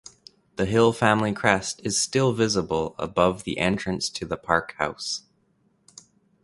The Hill family crest is still visible above the entrance to the park house.